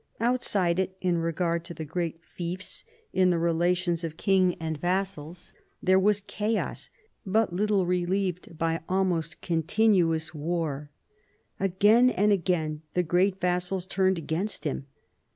Outside it, in regard to the great fiefs, in the relations of king and vassals, there was chaos but little relieved by almost con tinuous war. Again and again the great vassals turned against him.